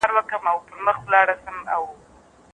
لارښود ویډیو هم شته.